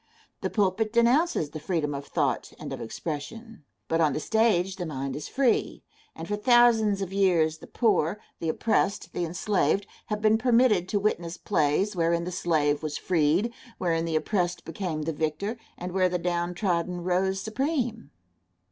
The pulpit denounces the freedom of thought and of expression; but on the stage the mind is free, and for thousands of years the poor, the oppressed, the enslaved, have been permitted to witness plays wherein the slave was freed, wherein the oppressed became the victor, and where the downtrodden rose supreme.